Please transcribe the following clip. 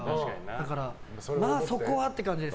だから、そこはって感じです。